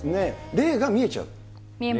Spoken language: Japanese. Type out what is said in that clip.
霊が視えちゃう。